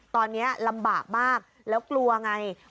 ตอนนี้ลำบากมากแล้วกลัวไง